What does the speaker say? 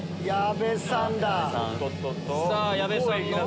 矢部さんだ。